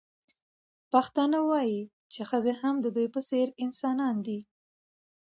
پښتانه وايي چې ښځې هم د دوی په څېر انسانان دي.